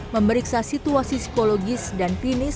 memeriksa situasi psikologis dan finis